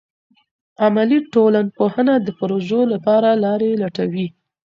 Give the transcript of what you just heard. عملي ټولنپوهنه د پروژو لپاره لارې لټوي.